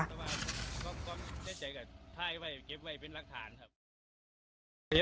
วงไปเห็นกันมากว่านาน